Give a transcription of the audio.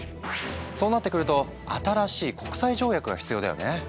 そうなってくると新しい国際条約が必要だよね。